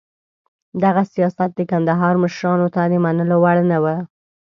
دغه سیاست د کندهار مشرانو ته د منلو وړ نه و.